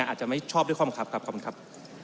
อาจจะไม่ชอบด้วยความคลับครับขอบคุณครับ